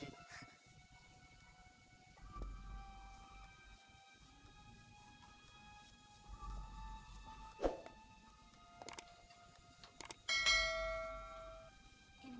ini mas silahkan ya minum